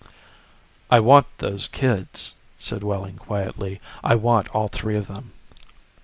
"I want those kids," said Wehling quietly. "I want all three of them."